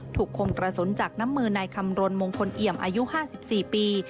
ถูกคงกระสุนจากน้ำมือในคำรวลมงคลเหยียมอายุ๕๔ปี